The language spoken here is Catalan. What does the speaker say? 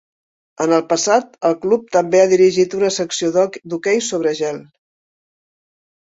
En el passat el club també ha dirigit una secció d'hoquei sobre gel.